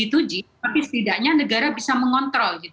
tapi setidaknya negara bisa mengontrol